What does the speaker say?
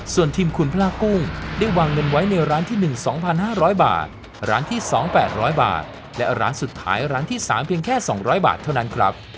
ส่วนทีมคุณพระกุ้งได้วางเงินไว้ในร้านที่๑๒๕๐๐บาทร้านที่๒๘๐๐บาทและร้านสุดท้ายร้านที่๓เพียงแค่๒๐๐บาทเท่านั้นครับ